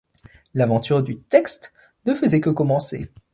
L’aventure du texte ne faisait que commencer.